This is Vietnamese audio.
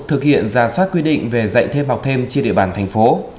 thực hiện ra soát quy định về dạy thêm học thêm trên địa bàn thành phố